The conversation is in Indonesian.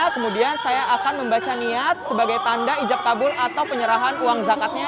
kemudian saya akan membaca niat sebagai tanda ijab tabul atau penyerahan uang zakatnya